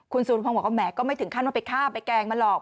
คุณสุรพงศ์บอกว่าแหมก็ไม่ถึงขั้นว่าไปฆ่าไปแกล้งมันหรอก